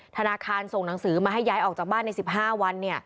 ธนาคารส่งหนังสือมาให้ย้ายออกจากบ้านใน๑๕วัน